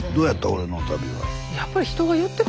俺の旅は。